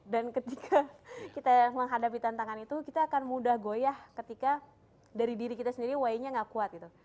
dan ketika kita menghadapi tantangan itu kita akan mudah goyah ketika dari diri kita sendiri y nya gak kuat gitu